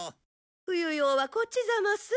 冬用はこっちざます。